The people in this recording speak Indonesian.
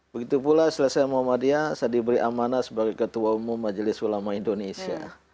begitu pula setelah saya muhammadiyah saya diberi amanah sebagai ketua umum majelis ulama